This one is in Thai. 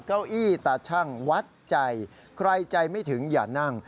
เก้าอี้ตาชั่งวัดใจใครใจไม่ถึงอย่านั่ง